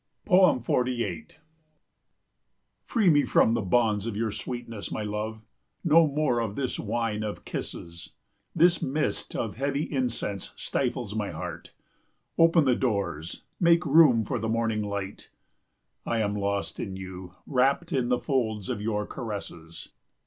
48 Free me from the bonds of your sweetness, my love! No more of this wine of kisses. This mist of heavy incense stifles my heart. Open the doors, make room for the morning light. I am lost in you, wrapped in the folds of your caresses.